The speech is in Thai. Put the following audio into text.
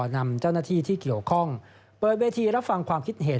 นำเจ้าหน้าที่ที่เกี่ยวข้องเปิดเวทีรับฟังความคิดเห็น